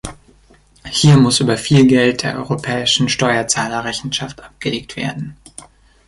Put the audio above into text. Hier muss über viel Geld der europäischen Steuerzahler Rechenschaft abgelegt werden.